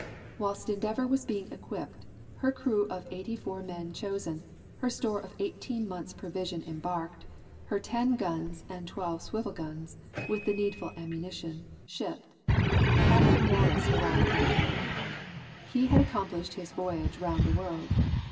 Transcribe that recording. Whilst the Endeavour was being equipped, her crew of eighty four men chosen, her store of eighteen months' provision embarked, her ten guns and twelve swivel guns, with the needful ammunition, shipped, Captain Wallis arrived in England. He had accomplished his voyage round the world.